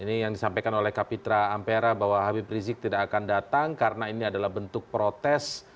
ini yang disampaikan oleh kapitra ampera bahwa habib rizik tidak akan datang karena ini adalah bentuk protes